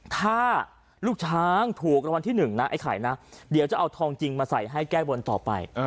ถ้าลูกช้างถูกรางวัลที่หนึ่งนะไอ้ไข่นะเดี๋ยวจะเอาทองจริงมาใส่ให้แก้บนต่อไป